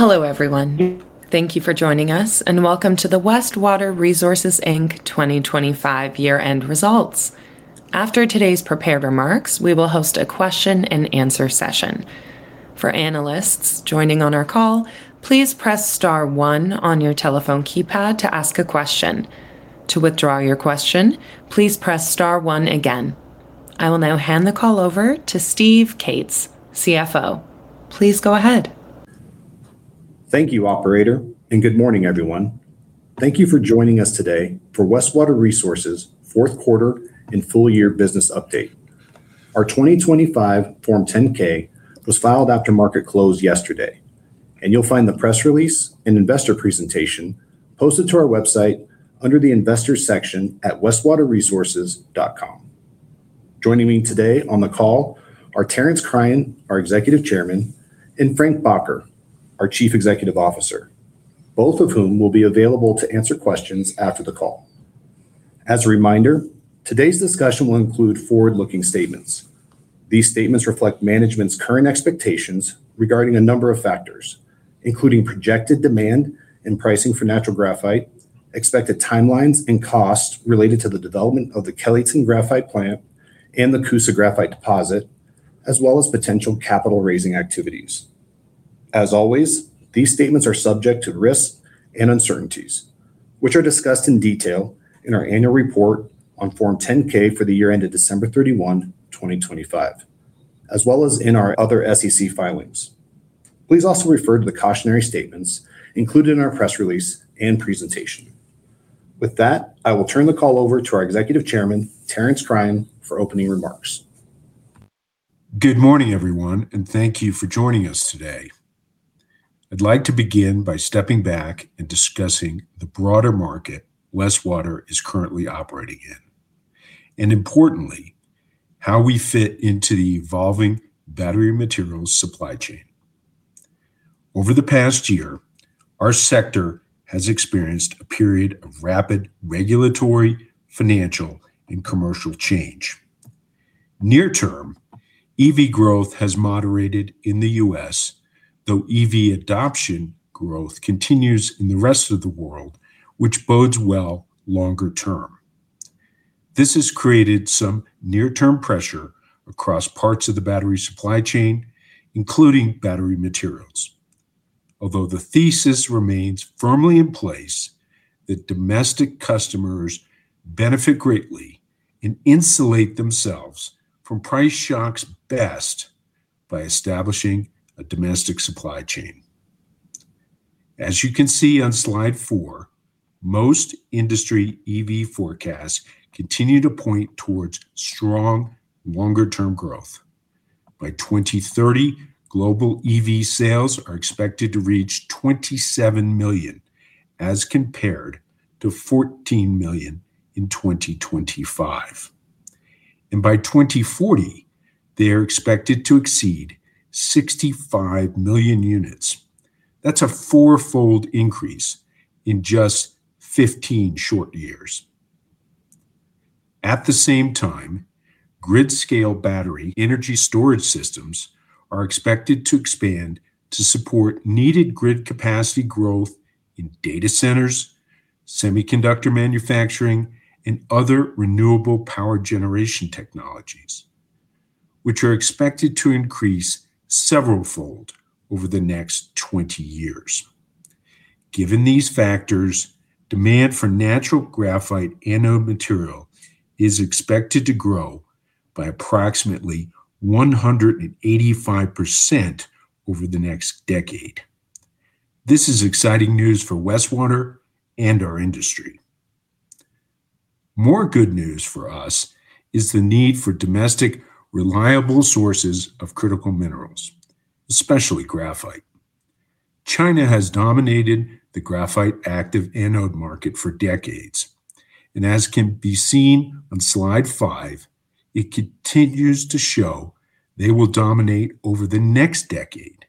Hello everyone. Thank you for joining us and welcome to the Westwater Resources, Inc 2025 year-end results. After today's prepared remarks, we will host a question and answer session. For analysts joining on our call, please press star one on your telephone keypad to ask a question. To withdraw your question, please press star one again. I will now hand the call over to Steve Cates, CFO. Please go ahead. Thank you, operator, and good morning, everyone. Thank you for joining us today for Westwater Resources' fourth quarter and full year business update. Our 2025 Form 10-K was filed after market closed yesterday, and you'll find the press release and investor presentation posted to our website under the Investors section at westwaterresources.com. Joining me today on the call are Terence Cryan, our Executive Chairman, and Frank Bakker, our Chief Executive Officer, both of whom will be available to answer questions after the call. As a reminder, today's discussion will include forward-looking statements. These statements reflect management's current expectations regarding a number of factors, including projected demand and pricing for natural graphite, expected timelines and costs related to the development of the Kellyton Graphite Plant and the Coosa Graphite Deposit, as well as potential capital raising activities. As always, these statements are subject to risks and uncertainties, which are discussed in detail in our annual report on Form 10-K for the year ended December 31, 2025, as well as in our other SEC filings. Please also refer to the cautionary statements included in our press release and presentation. With that, I will turn the call over to our Executive Chairman, Terence Cryan, for opening remarks. Good morning, everyone, and thank you for joining us today. I'd like to begin by stepping back and discussing the broader market Westwater is currently operating in, and importantly, how we fit into the evolving battery materials supply chain. Over the past year, our sector has experienced a period of rapid regulatory, financial, and commercial change. Near term, EV growth has moderated in the U.S., though EV adoption growth continues in the rest of the world, which bodes well longer term. This has created some near-term pressure across parts of the battery supply chain, including battery materials. Although the thesis remains firmly in place that domestic customers benefit greatly and insulate themselves from price shocks best by establishing a domestic supply chain. As you can see on slide four, most industry EV forecasts continue to point towards strong longer-term growth. By 2030, global EV sales are expected to reach 27 million as compared to 14 million in 2025. By 2040, they are expected to exceed 65 million units. That's a four-fold increase in just 15 short years. At the same time, grid scale battery energy storage systems are expected to expand to support needed grid capacity growth in data centers, semiconductor manufacturing, and other renewable power generation technologies, which are expected to increase several fold over the next 20 years. Given these factors, demand for natural graphite anode material is expected to grow by approximately 185% over the next decade. This is exciting news for Westwater and our industry. More good news for us is the need for domestic reliable sources of critical minerals, especially graphite. China has dominated the graphite active anode market for decades, and as can be seen on slide five, it continues to show they will dominate over the next decade,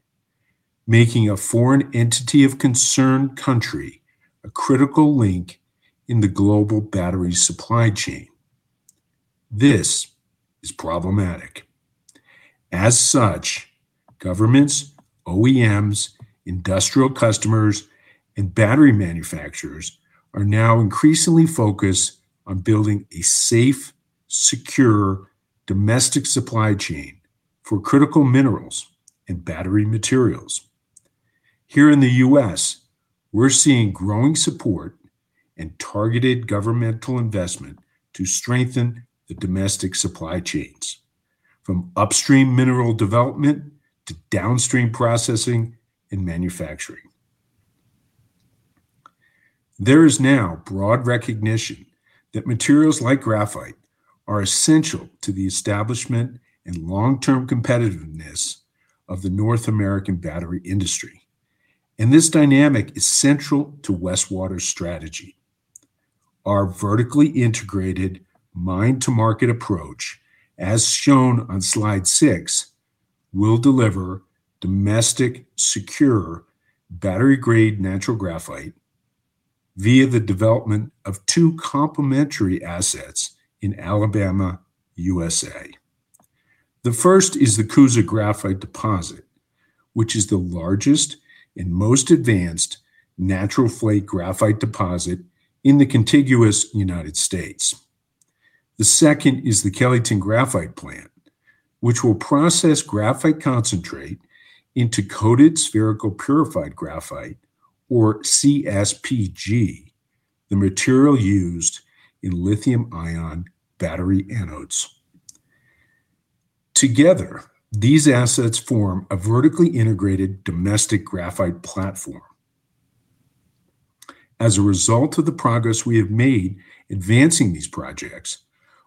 making a foreign entity of a country of concern a critical link in the global battery supply chain. This is problematic. As such, governments, OEMs, industrial customers, and battery manufacturers are now increasingly focused on building a safe, secure domestic supply chain for critical minerals and battery materials. Here in the U.S., we're seeing growing support and targeted governmental investment to strengthen the domestic supply chains, from upstream mineral development to downstream processing and manufacturing. There is now broad recognition that materials like graphite are essential to the establishment and long-term competitiveness of the North American battery industry, and this dynamic is central to Westwater's strategy. Our vertically integrated mine-to-market approach, as shown on slide six, will deliver domestic, secure battery-grade natural graphite via the development of two complementary assets in Alabama, USA. The first is the Coosa Graphite Deposit, which is the largest and most advanced natural flake graphite deposit in the contiguous United States. The second is the Kellyton Graphite Plant, which will process graphite concentrate into coated spherical purified graphite or CSPG, the material used in lithium-ion battery anodes. Together, these assets form a vertically integrated domestic graphite platform. As a result of the progress we have made advancing these projects,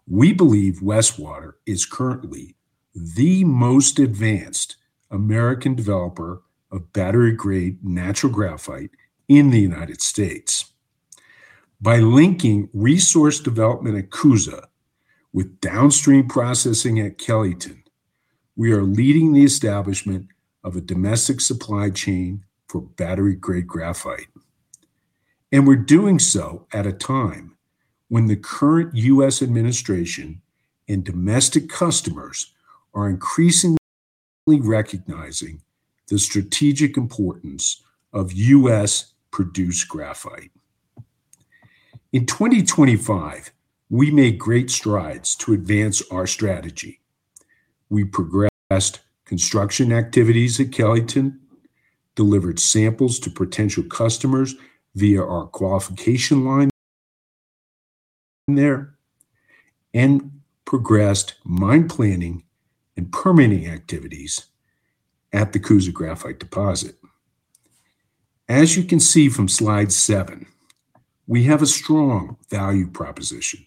we believe Westwater is currently the most advanced American developer of battery-grade natural graphite in the United States. By linking resource development at Coosa with downstream processing at Kellyton, we are leading the establishment of a domestic supply chain for battery-grade graphite, and we're doing so at a time when the current U.S. administration and domestic customers are increasingly recognizing the strategic importance of U.S.-produced graphite. In 2025, we made great strides to advance our strategy. We progressed construction activities at Kellyton, delivered samples to potential customers via our qualification line there, and progressed mine planning and permitting activities at the Coosa Graphite Deposit. As you can see from slide seven, we have a strong value proposition,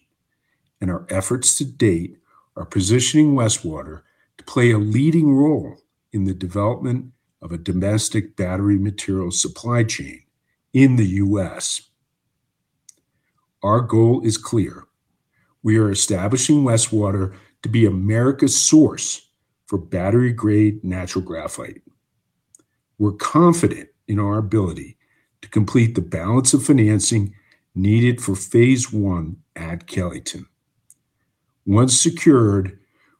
and our efforts to date are positioning Westwater to play a leading role in the development of a domestic battery material supply chain in the U.S. Our goal is clear. We are establishing Westwater to be America's source for battery-grade natural graphite. We're confident in our ability to complete the balance of financing needed for Phase I at Kellyton. Once secured,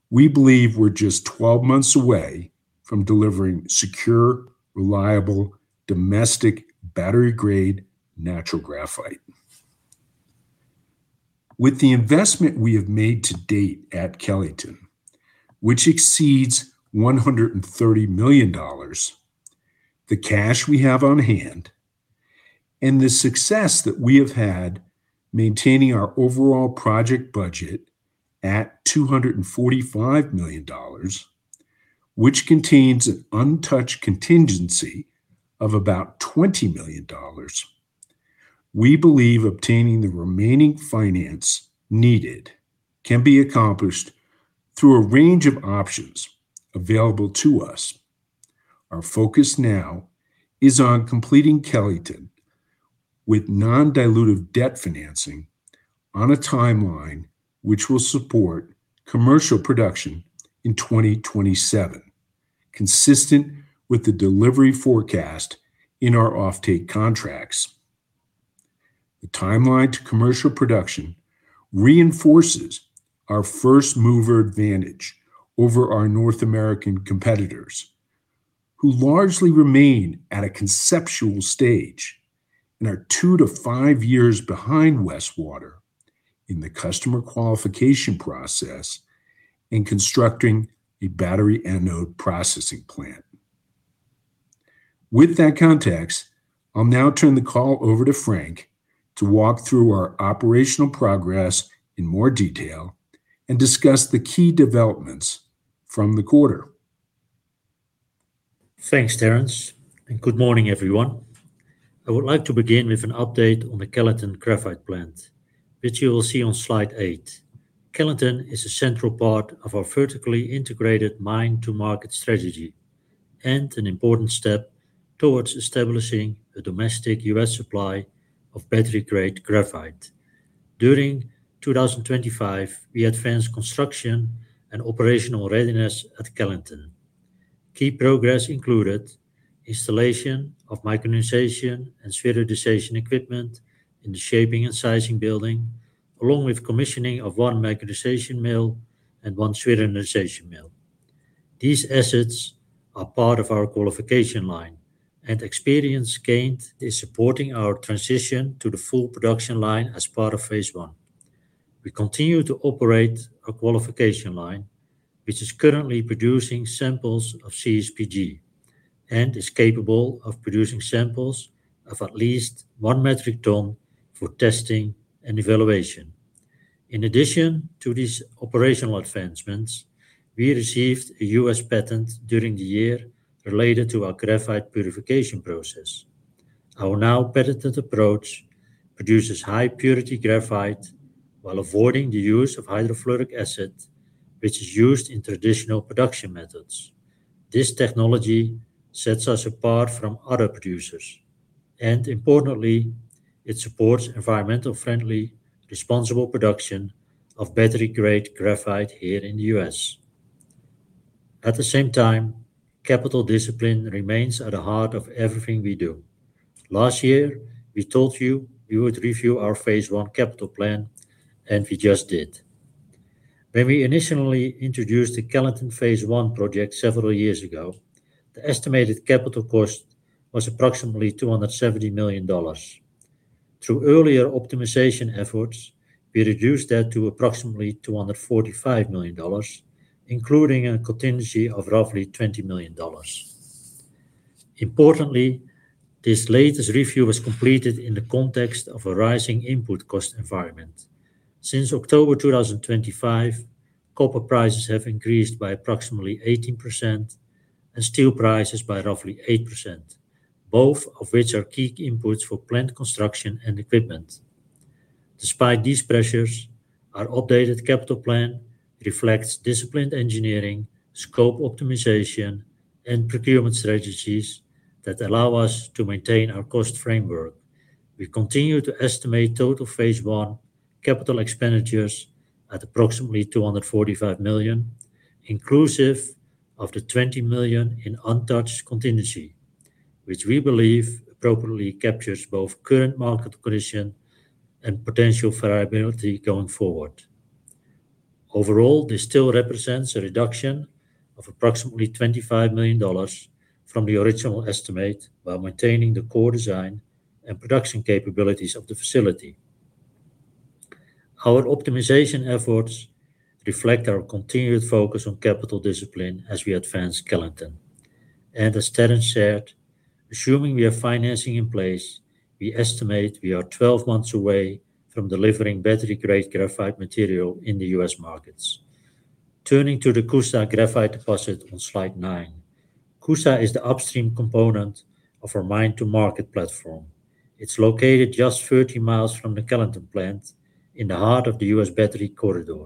we believe we're just 12 months away from delivering secure, reliable, domestic battery-grade natural graphite. With the investment we have made to date at Kellyton, which exceeds $130 million, the cash we have on hand and the success that we have had maintaining our overall project budget at $245 million, which contains an untouched contingency of about $20 million, we believe obtaining the remaining finance needed can be accomplished through a range of options available to us. Our focus now is on completing Kellyton with non-dilutive debt financing on a timeline which will support commercial production in 2027, consistent with the delivery forecast in our offtake contracts. The timeline to commercial production reinforces our first-mover advantage over our North American competitors, who largely remain at a conceptual stage and are two-five years behind Westwater in the customer qualification process in constructing a battery anode processing plant. With that context, I'll now turn the call over to Frank to walk through our operational progress in more detail and discuss the key developments from the quarter. Thanks, Terrence, and good morning, everyone. I would like to begin with an update on the Kellyton Graphite Plant, which you will see on slide eight. Kellyton is a central part of our vertically integrated mine-to-market strategy and an important step towards establishing a domestic U.S. supply of battery-grade graphite. During 2025, we advanced construction and operational readiness at Kellyton. Key progress included installation of micronization and spheroidization equipment in the shaping and sizing building, along with commissioning of one micronization mill and one spheroidization mill. These assets are part of our qualification line, and experience gained is supporting our transition to the full production line as part of Phase I. We continue to operate a qualification line, which is currently producing samples of CSPG and is capable of producing samples of at least one metric ton for testing and evaluation. In addition to these operational advancements, we received a U.S. patent during the year related to our graphite purification process. Our now-patented approach produces high-purity graphite while avoiding the use of hydrofluoric acid, which is used in traditional production methods. This technology sets us apart from other producers, and importantly, it supports environmentally friendly, responsible production of battery-grade graphite here in the U.S. At the same time, capital discipline remains at the heart of everything we do. Last year, we told you we would review our Phase I capital plan, and we just did. When we initially introduced the Kellyton Phase I project several years ago, the estimated capital cost was approximately $270 million. Through earlier optimization efforts, we reduced that to approximately $245 million, including a contingency of roughly $20 million. Importantly, this latest review was completed in the context of a rising input cost environment. Since October 2025, copper prices have increased by approximately 18%, and steel prices by roughly 8%, both of which are key inputs for plant construction and equipment. Despite these pressures, our updated capital plan reflects disciplined engineering, scope optimization, and procurement strategies that allow us to maintain our cost framework. We continue to estimate total Phase I capital expenditures at approximately $245 million, inclusive of the $20 million in untouched contingency, which we believe appropriately captures both current market condition and potential variability going forward. Overall, this still represents a reduction of approximately $25 million from the original estimate, while maintaining the core design and production capabilities of the facility. Our optimization efforts reflect our continued focus on capital discipline as we advance Kellyton. As Terence shared, assuming we have financing in place, we estimate we are 12 months away from delivering battery-grade graphite material in the U.S. markets. Turning to the Coosa Graphite Deposit on slide 9. Coosa is the upstream component of our mine to market platform. It's located just 30 mi from the Kellyton plant in the heart of the U.S. Battery Corridor.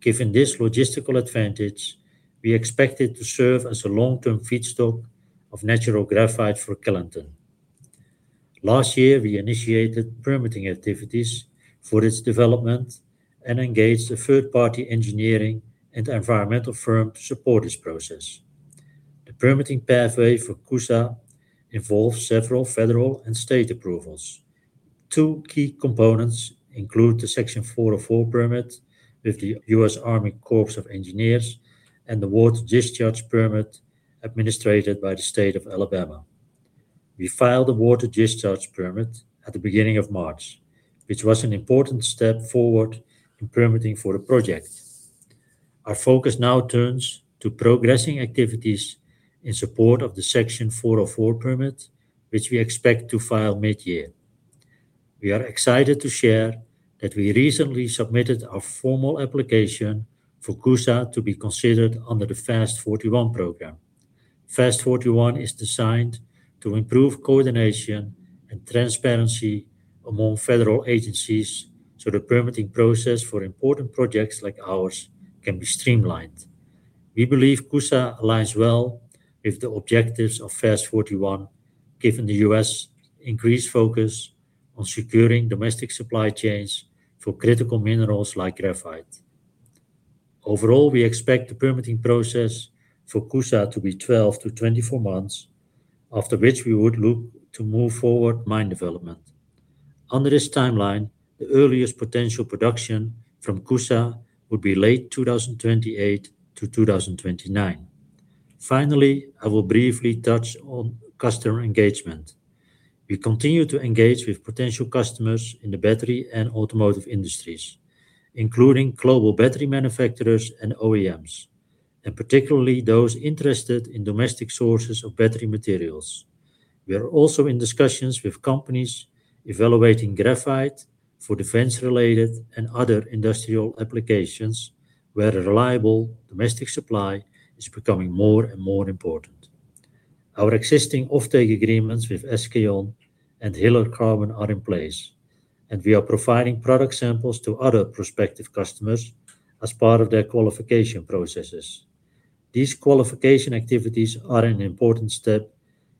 Given this logistical advantage, we expect it to serve as a long-term feedstock of natural graphite for Kellyton. Last year, we initiated permitting activities for its development and engaged a third-party engineering and environmental firm to support this process. The permitting pathway for Coosa involves several federal and state approvals. Two key components include the Section 404 permit with the U.S. Army Corps of Engineers and the water discharge permit administered by the state of Alabama. We filed the water discharge permit at the beginning of March, which was an important step forward in permitting for the project. Our focus now turns to progressing activities in support of the Section 404 permit, which we expect to file mid-year. We are excited to share that we recently submitted our formal application for Coosa to be considered under the FAST-41 program. FAST-41 is designed to improve coordination and transparency among federal agencies, so the permitting process for important projects like ours can be streamlined. We believe Coosa aligns well with the objectives of FAST-41, given the U.S. increased focus on securing domestic supply chains for critical minerals like graphite. Overall, we expect the permitting process for Coosa to be 12-24 months, after which we would look to move forward mine development. Under this timeline, the earliest potential production from Coosa would be late 2028-2029. Finally, I will briefly touch on customer engagement. We continue to engage with potential customers in the battery and automotive industries, including global battery manufacturers and OEMs, and particularly those interested in domestic sources of battery materials. We are also in discussions with companies evaluating graphite for defense-related and other industrial applications where reliable domestic supply is becoming more and more important. Our existing offtake agreements with SK On and Hiller Carbon are in place, and we are providing product samples to other prospective customers as part of their qualification processes. These qualification activities are an important step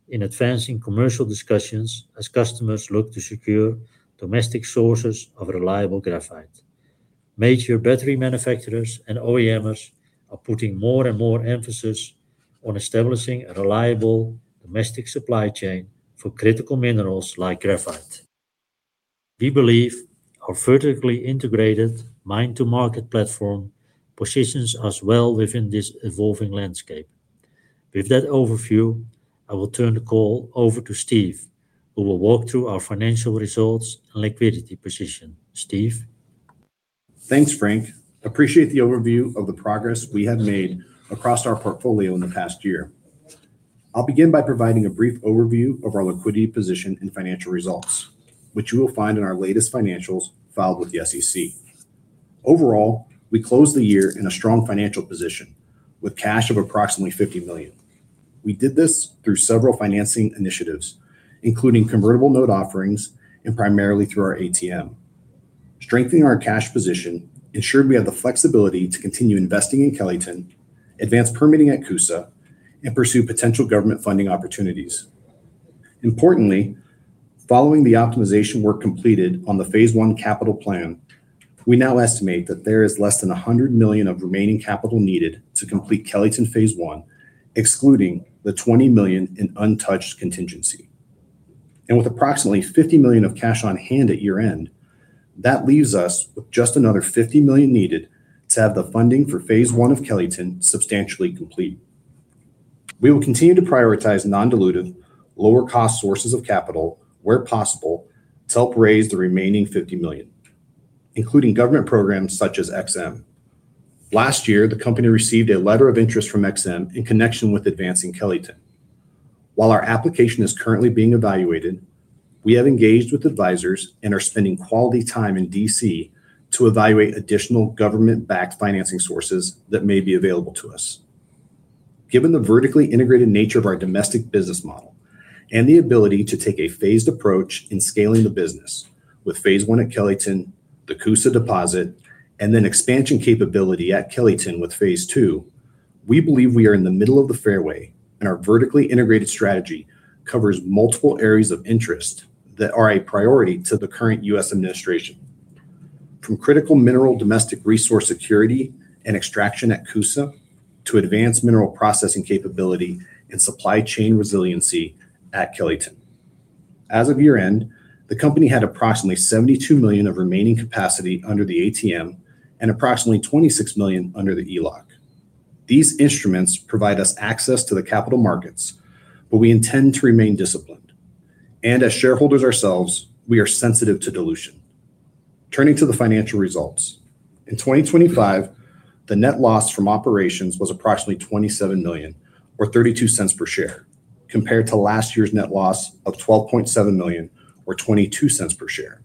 in advancing commercial discussions as customers look to secure domestic sources of reliable graphite. Major battery manufacturers and OEMs are putting more and more emphasis on establishing a reliable domestic supply chain for critical minerals like graphite. We believe our vertically integrated mine-to-market platform positions us well within this evolving landscape. With that overview, I will turn the call over to Steve, who will walk through our financial results and liquidity position. Steve? Thanks, Frank. Appreciate the overview of the progress we have made across our portfolio in the past year. I'll begin by providing a brief overview of our liquidity position and financial results, which you will find in our latest financials filed with the SEC. Overall, we closed the year in a strong financial position with cash of approximately $50 million. We did this through several financing initiatives, including convertible note offerings and primarily through our ATM. Strengthening our cash position ensured we have the flexibility to continue investing in Kellyton, advance permitting at Coosa, and pursue potential government funding opportunities. Importantly, following the optimization work completed on the Phase I capital plan. We now estimate that there is less than $100 million of remaining capital needed to complete Kellyton Phase I, excluding the $20 million in untouched contingency. With approximately $50 million of cash on hand at year-end, that leaves us with just another $50 million needed to have the funding for Phase I of Kellyton substantially complete. We will continue to prioritize non-dilutive lower cost sources of capital where possible to help raise the remaining $50 million, including government programs such as EXIM. Last year, the company received a letter of interest from EXIM in connection with advancing Kellyton. While our application is currently being evaluated, we have engaged with advisors and are spending quality time in D.C. to evaluate additional government-backed financing sources that may be available to us. Given the vertically integrated nature of our domestic business model and the ability to take a phased approach in scaling the business with Phase I at Kellyton, the Coosa deposit, and then expansion capability at Kellyton with Phase II, we believe we are in the middle of the fairway, and our vertically integrated strategy covers multiple areas of interest that are a priority to the current U.S. administration. From critical mineral domestic resource security and extraction at Coosa to advanced mineral processing capability and supply chain resiliency at Kellyton. As of year-end, the company had approximately $72 million of remaining capacity under the ATM and approximately $26 million under the ELOC. These instruments provide us access to the capital markets, but we intend to remain disciplined. As shareholders ourselves, we are sensitive to dilution. Turning to the financial results. In 2025, the net loss from operations was approximately $27 million or $0.32 per share compared to last year's net loss of $12.7 million or $0.22 per share.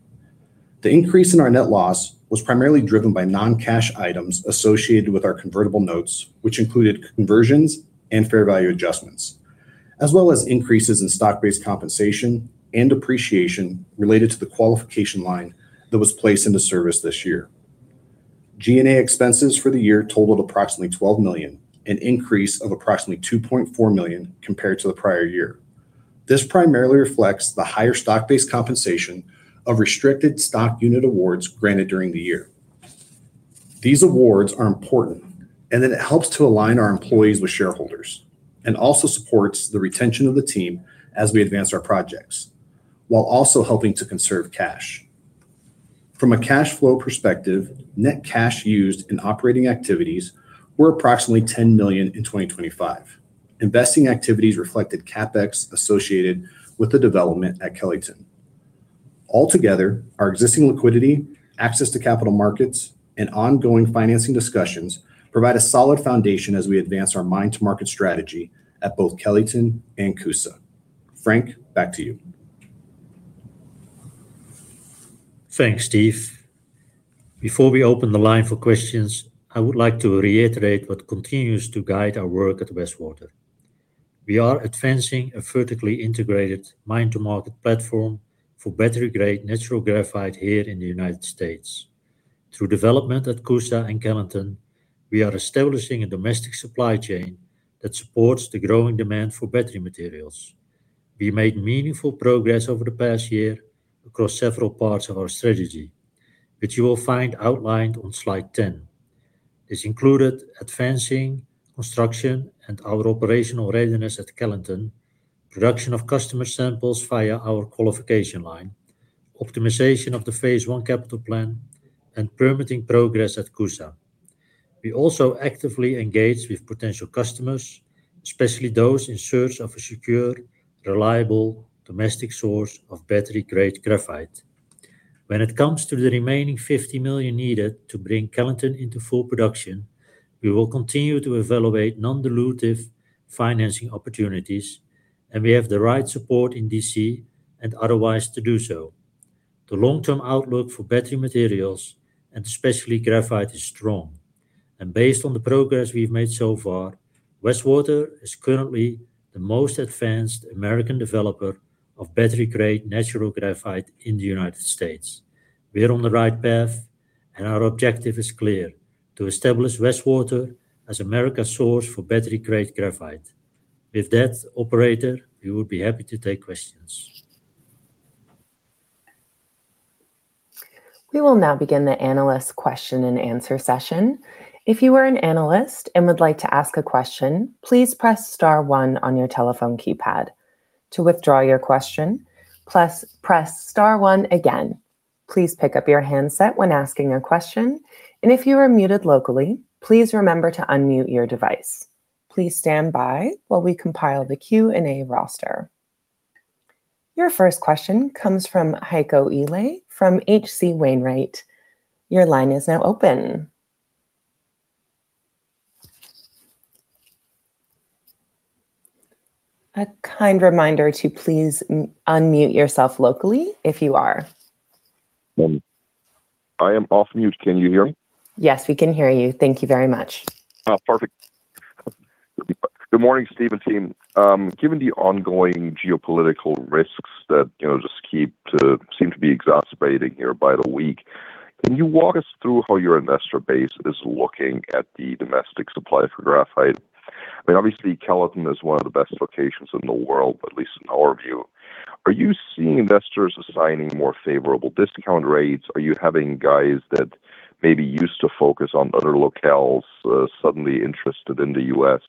The increase in our net loss was primarily driven by non-cash items associated with our convertible notes, which included conversions and fair value adjustments, as well as increases in stock-based compensation and depreciation related to the qualification line that was placed into service this year. G&A expenses for the year totaled approximately $12 million, an increase of approximately $2.4 million compared to the prior year. This primarily reflects the higher stock-based compensation of restricted stock unit awards granted during the year. These awards are important, and that it helps to align our employees with shareholders, and also supports the retention of the team as we advance our projects, while also helping to conserve cash. From a cash flow perspective, net cash used in operating activities were approximately $10 million in 2025. Investing activities reflected CapEx associated with the development at Kellyton. Altogether, our existing liquidity, access to capital markets, and ongoing financing discussions provide a solid foundation as we advance our mine to market strategy at both Kellyton and Coosa. Frank, back to you. Thanks, Steve. Before we open the line for questions, I would like to reiterate what continues to guide our work at Westwater. We are advancing a vertically integrated mine to market platform for battery-grade natural graphite here in the United States. Through development at Coosa and Kellyton, we are establishing a domestic supply chain that supports the growing demand for battery materials. We made meaningful progress over the past year across several parts of our strategy, which you will find outlined on slide 10. This included advancing construction and our operational readiness at Kellyton, production of customer samples via our qualification line, optimization of the Phase I capital plan, and permitting progress at Coosa. We also actively engage with potential customers, especially those in search of a secure, reliable domestic source of battery-grade graphite. When it comes to the remaining $50 million needed to bring Kellyton into full production, we will continue to evaluate non-dilutive financing opportunities, and we have the right support in D.C. and otherwise to do so. The long-term outlook for battery materials, and especially graphite, is strong. Based on the progress we've made so far, Westwater is currently the most advanced American developer of battery-grade natural graphite in the United States. We are on the right path, and our objective is clear: to establish Westwater as America's source for battery-grade graphite. With that, operator, we would be happy to take questions. We will now begin the analyst question and answer session. If you are an analyst and would like to ask a question, please press star one on your telephone keypad. To withdraw your question, press star one again. Please pick up your handset when asking a question, and if you are muted locally, please remember to unmute your device. Please stand by while we compile the Q&A roster. Your first question comes from Heiko Ihle from H.C. Wainwright. Your line is now open. A kind reminder to please unmute yourself locally if you are. I am off mute. Can you hear me? Yes, we can hear you. Thank you very much. Oh, perfect. Good morning, Steve and team. Given the ongoing geopolitical risks that, you know, just seem to be exacerbating here by the week, can you walk us through how your investor base is looking at the domestic supply for graphite. But obviously, Kellyton is one of the best locations in the world, at least in our view. Are you seeing investors assigning more favorable discount rates? Are you having guys that maybe used to focus on other locales, suddenly interested in the U.S.?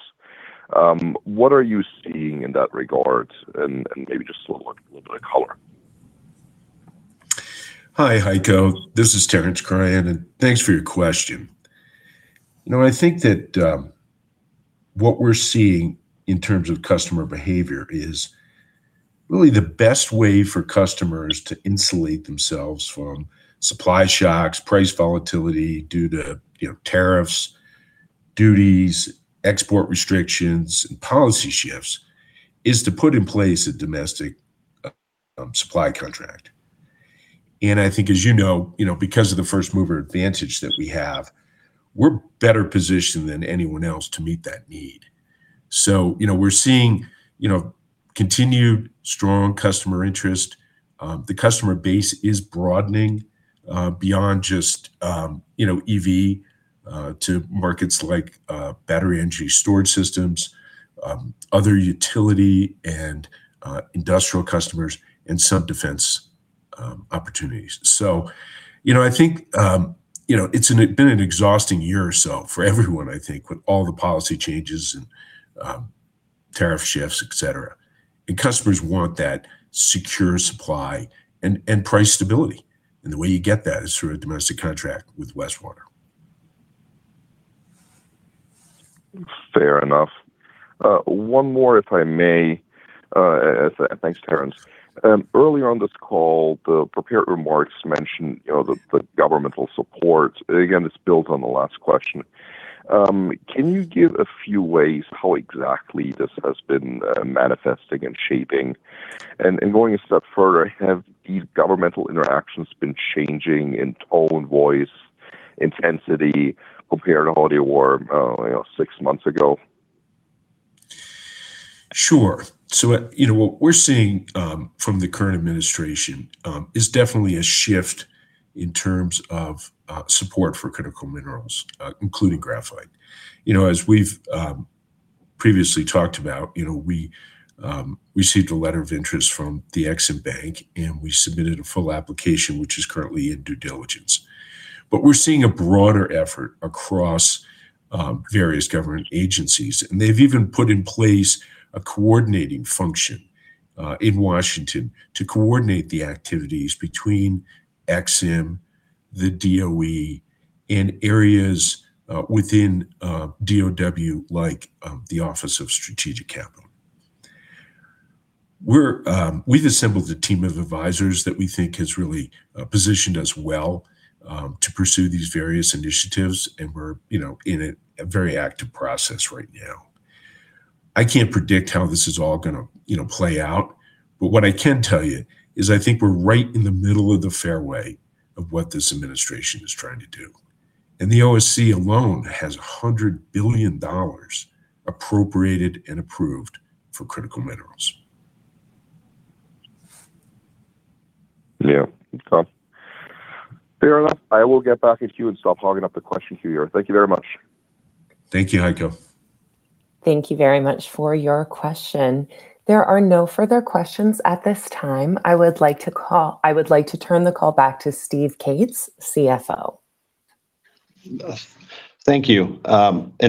What are you seeing in that regard? And maybe just a little bit of color. Hi, Heiko, This is Terence Cryan, and thanks for your question. You know, I think that what we're seeing in terms of customer behavior is really the best way for customers to insulate themselves from supply shocks, price volatility due to, you know, tariffs, duties, export restrictions, and policy shifts, is to put in place a domestic supply contract. I think as you know, because of the first mover advantage that we have, we're better positioned than anyone else to meet that need. You know, we're seeing continued strong customer interest. The customer base is broadening beyond just EV to markets like battery energy storage systems, other utility and industrial customers and some defense opportunities. You know, I think, you know, it's been an exhausting year or so for everyone I think, with all the policy changes and, tariff shifts, et cetera. Customers want that secure supply and price stability. The way you get that is through a domestic contract with Westwater. Fair enough. One more, if I may. Thanks, Terence. Earlier on this call, the prepared remarks mentioned, you know, the governmental support. Again, this builds on the last question. Can you give a few ways how exactly this has been manifesting and shaping? And going a step further, have these governmental interactions been changing in tone, voice, intensity compared to how they were, you know, six months ago? Sure. You know, what we're seeing from the current administration is definitely a shift in terms of support for critical minerals including graphite. You know, as we've previously talked about, you know, we received a letter of interest from the Ex-Im Bank, and we submitted a full application, which is currently in due diligence. We're seeing a broader effort across various government agencies, and they've even put in place a coordinating function in Washington to coordinate the activities between EXIM, the DOE, and areas within DoD like the Office of Strategic Capital. We've assembled a team of advisors that we think has really positioned us well to pursue these various initiatives, and we're, you know, in a very active process right now. I can't predict how this is all gonna, you know, play out, but what I can tell you is I think we're right in the middle of the fairway of what this administration is trying to do. The OSC alone has $100 billion appropriated and approved for critical minerals. Yeah. Fair enough. I will get back at you and stop hogging up the questions here. Thank you very much. Thank you, Heiko. Thank you very much for your question. There are no further questions at this time. I would like to turn the call back to Steve Cates, CFO. Thank you.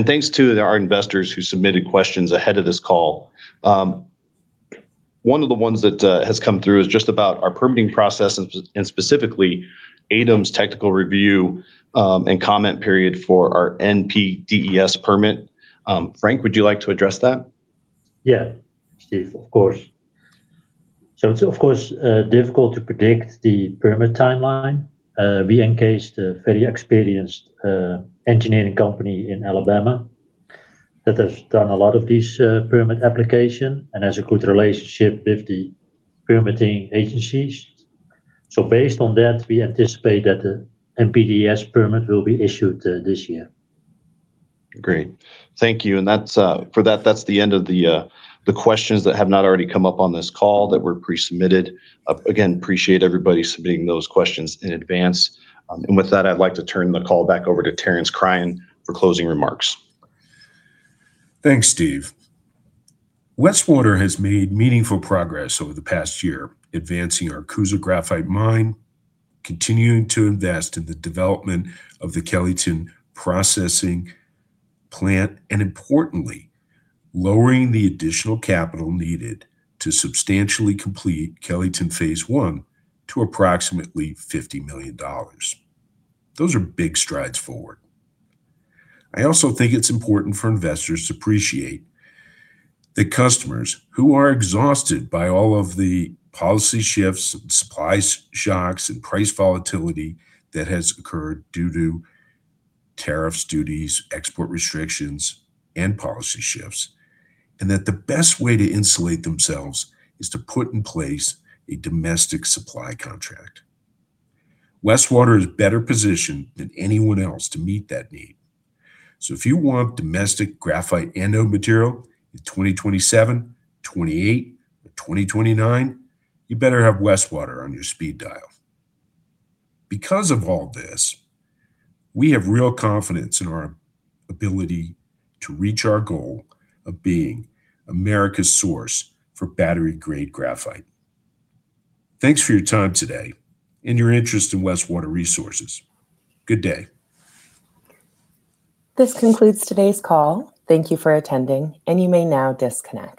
Thanks to our investors who submitted questions ahead of this call. One of the ones that has come through is just about our permitting process and specifically, ADEM's technical review, and comment period for our NPDES permit. Frank, would you like to address that? Yeah. Steve, of course. It's, of course, difficult to predict the permit timeline. We engaged a very experienced engineering company in Alabama that has done a lot of these permit applications and has a good relationship with the permitting agencies. Based on that, we anticipate that the NPDES permit will be issued this year. Great. Thank you. That's the end of the questions that have not already come up on this call that were pre-submitted. Again, appreciate everybody submitting those questions in advance. With that, I'd like to turn the call back over to Terence Cryan for closing remarks. Thanks, Steve. Westwater has made meaningful progress over the past year, advancing our Coosa graphite mine, continuing to invest in the development of the Kellyton processing plant, and importantly, lowering the additional capital needed to substantially complete Kellyton Phase I to approximately $50 million. Those are big strides forward. I also think it's important for investors to appreciate the customers who are exhausted by all of the policy shifts, supply shocks, and price volatility that has occurred due to tariffs, duties, export restrictions, and policy shifts, and that the best way to insulate themselves is to put in place a domestic supply contract. Westwater is better positioned than anyone else to meet that need. If you want domestic graphite anode material in 2027, 2028, or 2029, you better have Westwater on your speed dial. Because of all this, we have real confidence in our ability to reach our goal of being America's source for battery-grade graphite. Thanks for your time today and your interest in Westwater Resources. Good day. This concludes today's call. Thank you for attending, and you may now disconnect.